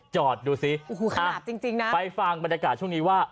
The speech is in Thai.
จอดดูสิโอ้โหอาบจริงจริงนะไปฟังบรรยากาศช่วงนี้ว่า